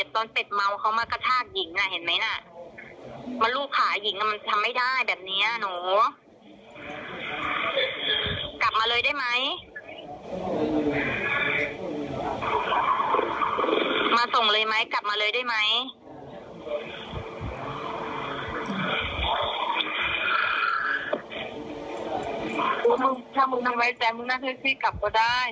ต้องหลักหนูถ้ามึงไม่ไดใจมึงน่าจะพีชกลับก็ได้